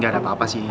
gak ada apa apa sih